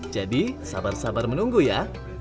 jadi sabar sabar menunggu ya